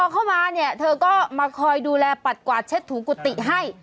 เข้ามาเนี่ยเธอก็มาคอยดูแลปัดกวาดเช็ดถูกุฏิให้